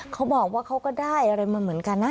เขาบอกว่าเขาก็ได้อะไรมาเหมือนกันนะ